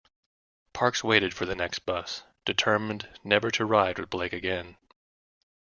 Parks waited for the next bus, determined never to ride with Blake again.